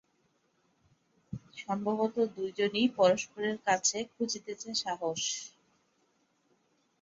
সম্ভবত দুজনেই পরস্পরের কাছে খুঁজিতেছে সাহস।